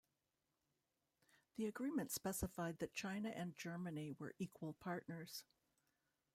The agreement specified that China and Germany were equal partners.